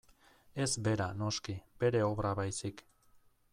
Ez bera, noski, bere obra baizik.